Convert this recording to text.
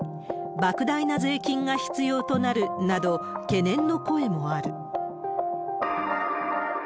ばく大な税金が必要となるなど、懸念の声もある。